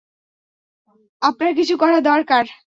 আপনার কিছু করা দরকার।